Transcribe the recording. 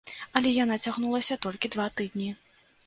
Але яна цягнулася толькі два тыдні.